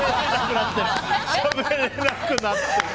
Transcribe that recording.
しゃべれなくなってる。